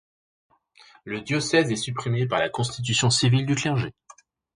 Le diocèse est supprimé par la constitution civile du clergé.